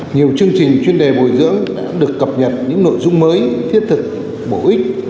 nhiều chương trình chuyên đề bồi dưỡng đã được cập nhật những nội dung mới thiết thực bổ ích